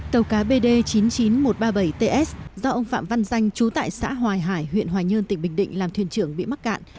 tàu cá bd chín mươi chín nghìn một trăm ba mươi bảy ts do ông phạm văn danh chú tại xã hoài hải huyện hoài nhơn tỉnh bình định làm thuyền trưởng bị mắc cạn